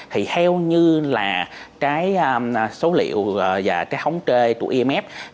theo số liệu và thống trê của imf